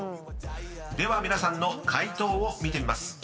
［では皆さんの解答を見てみます］